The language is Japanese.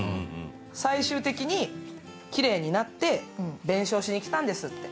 最終的にきれいになって、弁償しに来たんですって。